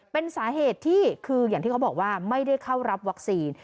เป็นสาเหตุที่คืออย่างที่เขาบอกว่าไม่ได้เข้ารับวัคซีน